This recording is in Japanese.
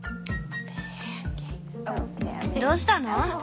どうしたの？